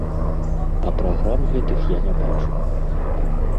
А праграм гэтых я не бачу.